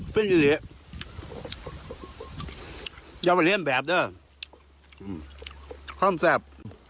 สิ่งที่เหลือยาวเวลียมแบบเด้ออืมค่อนแสบ